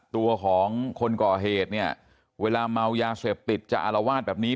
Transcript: ตัวของคนก่อเหตุเนี่ยเวลาเมายาเสพติดจะอารวาสแบบนี้